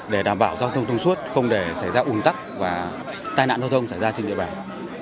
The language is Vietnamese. để đảm bảo giao thông thông suốt không để xảy ra ủn tắc và tai nạn giao thông xảy ra trên địa bàn